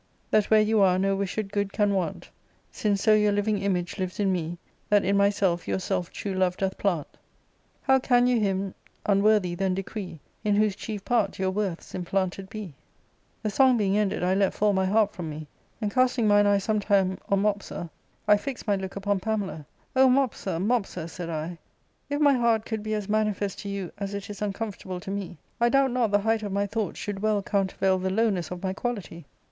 That where you are no wished good can want ; Since so your living image lives in me, That in myself yourself true love doth plant ; How can you him unworthy then decree [ In whose chief part your worths implanted be ?'" The song being ended, I let fall my harp from me, and, casting mine eye sometime on Mopsa, I fixed my look upon 128 ARCADIA.— Book IL Pamela, * O Mopsa, Mopsa,' said I, * if my heart could be as manifest to you as it is uncomfortable to me, I doubt not the height of my thoughts should well countervail the low ness of my quality.